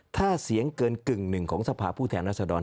ถ้าเสียงเกินกึ่งหนึ่งของสภาพผู้แทนรัศดร